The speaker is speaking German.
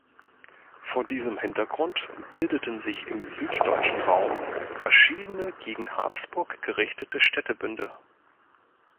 Vor diesem Hintergrund bildeten sich im Süddeutschen Raum verschiedene gegen Habsburg gerichtete Städtebünde.